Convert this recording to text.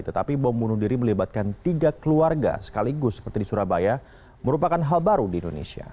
tetapi bom bunuh diri melibatkan tiga keluarga sekaligus seperti di surabaya merupakan hal baru di indonesia